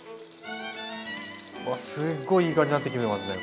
わあすごいいい感じになってきてますね。